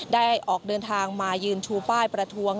ได้ออกเดินทางมายืนชูป้ายประท้วง